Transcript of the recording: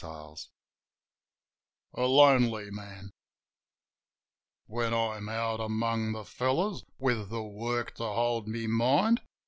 A LONELY MAN A Lonely Man WHEN I'm out among the fellows, with the work to hold my mind.